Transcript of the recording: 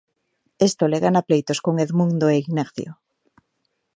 Esto le gana pleitos con Edmundo e Ignacio.